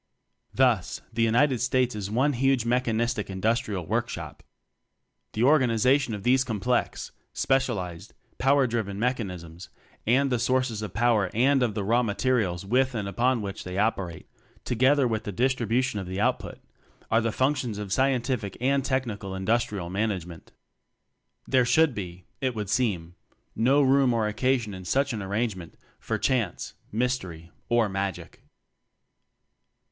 Thus the United States is one huge mechanistic industrial workshop.. The organization of these com plex, specialized, power driven mech TECHNOCRACY 19 anisms and the sources of power and of the raw materials with and upon which they operate, together with the distribution of the output, are the functions of Scientific and Tech nical Industrial Management. There should be, it would seem, no room or occasion in such an ar rangement, for chance, mystery or magic.